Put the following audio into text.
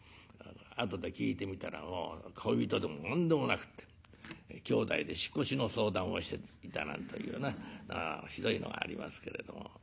後で聞いてみたら恋人でも何でもなくってきょうだいで引っ越しの相談をしていたなんというなひどいのがありますけれども。